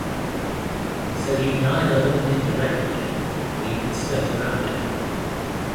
So you can either look at it directly or you can skirt around it.